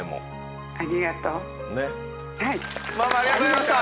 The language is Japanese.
ママありがとうございました！